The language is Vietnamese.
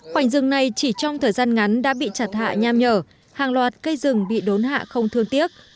khoảnh rừng này chỉ trong thời gian ngắn đã bị chặt hạ nham nhở hàng loạt cây rừng bị đốn hạ không thương tiếc